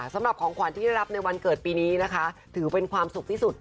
สำหรับของขวัญที่ได้รับในวันเกิดปีนี้นะคะถือเป็นความสุขที่สุด